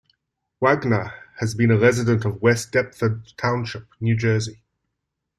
Wagner has been a resident of West Deptford Township, New Jersey.